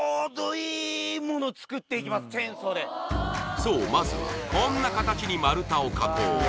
そう、まずはこんな形に丸太を加工。